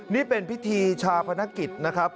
นี่เป็นพิธีชาพนักกิจนะครับ